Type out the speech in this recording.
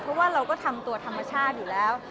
เพราะว่าเราก็ทำตัวธรรมชาติอยู่แล้ว